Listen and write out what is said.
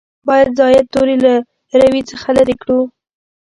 باید زاید توري له روي څخه لرې کړو.